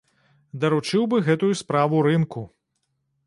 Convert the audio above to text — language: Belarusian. Даручыў бы гэтую справу рынку.